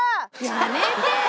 やめてよ！